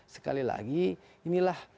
sekali lagi inilah